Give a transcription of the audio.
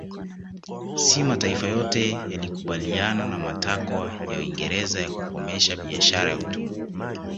Si mataifa yote yalikubaliana na matakwa ya Uingereza ya kukomesha biashara ya utumwa